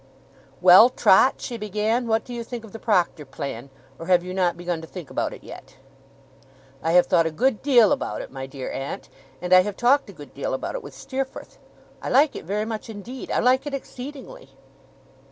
'Well, Trot,' she began, 'what do you think of the proctor plan? Or have you not begun to think about it yet?' 'I have thought a good deal about it, my dear aunt, and I have talked a good deal about it with Steerforth. I like it very much indeed. I like it exceedingly.